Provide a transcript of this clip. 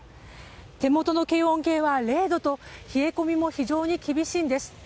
手元の温度計は０度と冷え込みも非常に厳しいです。